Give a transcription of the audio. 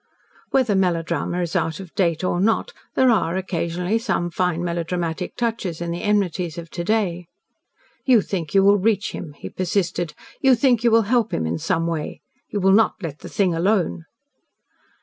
Whether melodrama is out of date or not there are, occasionally, some fine melodramatic touches in the enmities of to day. "You think you will reach him," he persisted. "You think you will help him in some way. You will not let the thing alone."